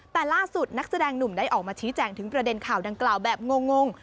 แต่ล่าสุดนักแสดงหนุ่มได้ออกมาชี้แจงถึงประเด็นข่าวดังกล่าวแบบงง